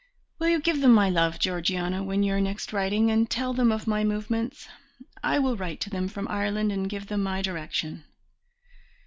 Will you give them my love, Georgiana, when you are next writing, and tell them of my movements? I will write to them from Ireland and give them my direction."